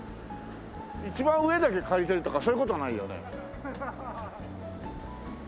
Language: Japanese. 一番上だけ借りたりとかそういう事はないよね？